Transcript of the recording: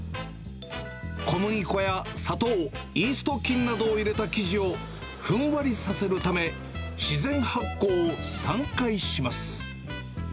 小麦粉や砂糖、イースト菌などを入れた生地をふんわりさせるため、自然発酵を３回します。